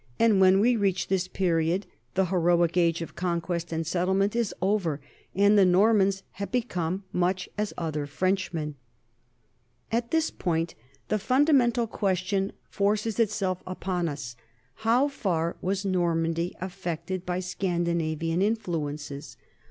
And when we reach 48 NORMANS IN EUROPEAN HISTORY this period, the heroic age of conquest and settlement is over, and the Normans have become much as other Frenchmen. At this point the fundamental question forces itself upon us, how far was Normandy affected by Scandi navian influences?